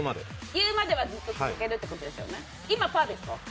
言うまではずっと続けるってことですよね、今パーですか？